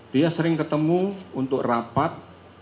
dia sering ketemu untuk rapat